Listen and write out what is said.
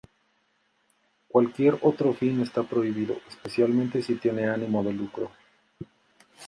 Cualquier otro fin está prohibido, especialmente si tiene ánimo de lucro.